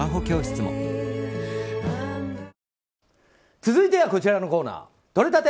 続いてはこちらのコーナーとれたて！